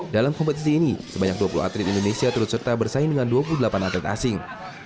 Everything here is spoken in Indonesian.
dalam kompetisi ini sebanyak dua puluh atlet indonesia turut serta bersaing dengan dua puluh delapan atlet asing